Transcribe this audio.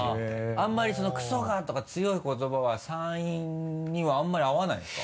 あんまり「クソが！」とか強い言葉は山陰にはあんまり合わないんですか？